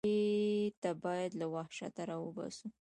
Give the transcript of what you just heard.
ټپي ته باید له وحشته راوباسو.